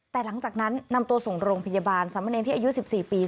แต่หลังจากนั้นนำตัวส่งโรงพยาบาลสามเณรที่อายุ๑๔ปี